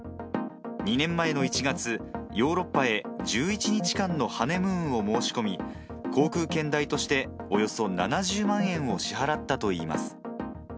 ２年前の１月、ヨーロッパへ１１日間のハネムーンを申し込み、航空券代としておよそ７０万円を支払ったといいます。